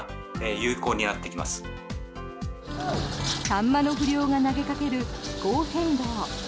サンマの不漁が投げかける気候変動。